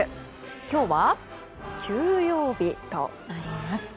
今日は休養日となります。